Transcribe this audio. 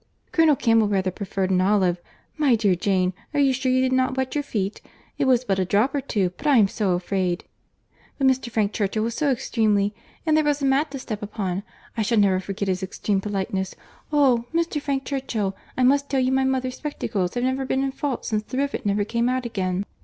Colonel Campbell rather preferred an olive. My dear Jane, are you sure you did not wet your feet?—It was but a drop or two, but I am so afraid:—but Mr. Frank Churchill was so extremely—and there was a mat to step upon—I shall never forget his extreme politeness.—Oh! Mr. Frank Churchill, I must tell you my mother's spectacles have never been in fault since; the rivet never came out again.